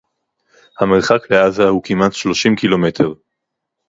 המרחק לעזה הוא כמעט שלושים קילומטר